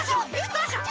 どうしよう！？